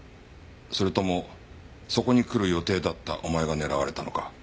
それともそこに来る予定だったお前が狙われたのか？